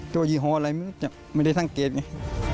ตัวยี่หออะไรไม่ได้ทังเกตไง